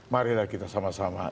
marilah kita sama sama